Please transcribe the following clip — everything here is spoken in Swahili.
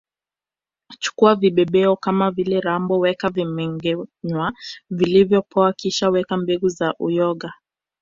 Chukua vibebeo kama vile rambo weka vimengenywa vilivyopoa kisha weka mbegu za uyoga